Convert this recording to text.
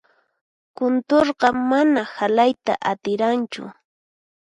Kunturqa mana halayta atiranchu.